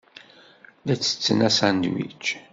La ttetten asandwic.